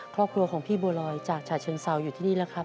ครอบครัวของพี่บัวลอยจากฉะเชิงเซาอยู่ที่นี่แล้วครับ